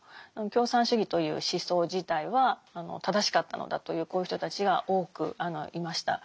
共産主義という思想自体は正しかったのだというこういう人たちが多くいました。